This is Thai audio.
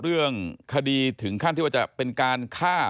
เรื่องคดีถึงขั้นที่ว่าจะเป็นการฆ่า